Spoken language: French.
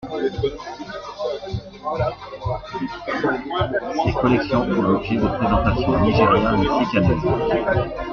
Ses collections font l'objet de présentations au Nigeria, ainsi qu'à New York.